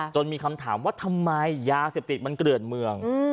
มีคำถามว่าทำไมยาเสพติดมันเกลื่อนเมือง